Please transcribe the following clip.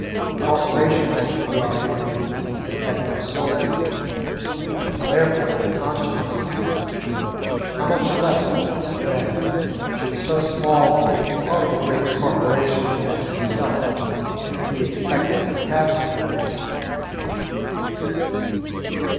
A corporation, he argued, had no soul, and therefore no conscience. How much less, then, should so small a part of a great corporation as himself be expected to have them?